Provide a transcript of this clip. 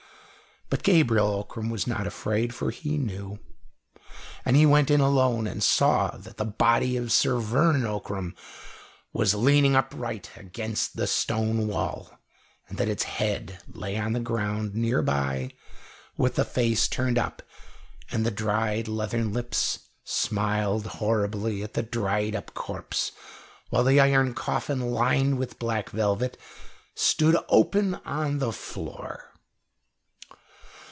But Gabriel Ockram was not afraid, for he knew. And he went in alone and saw that the body of Sir Vernon Ockram was leaning upright against the stone wall, and that its head lay on the ground near by with the face turned up, and the dried leathern lips smiled horribly at the dried up corpse, while the iron coffin, lined with black velvet, stood open on the floor.